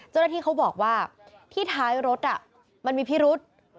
เจ้าหน้าที่เขาบอกว่าที่ท้ายรถมันมีพิรุษ